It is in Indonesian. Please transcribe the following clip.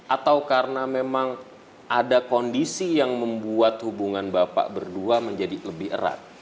atau karena memang ada kondisi yang membuat hubungan bapak berdua menjadi lebih erat